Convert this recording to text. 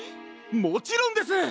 もちろんです！